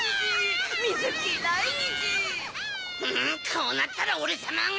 こうなったらオレさまが！